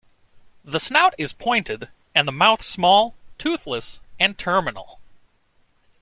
The snout is pointed and the mouth small, toothless, and terminal.